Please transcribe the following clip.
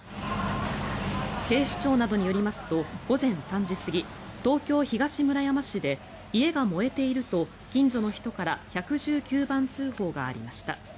警視庁などによりますと午前３時過ぎ東京・東村山市で家が燃えていると近所の人から１１９番通報がありました。